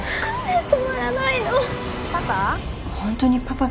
パパ？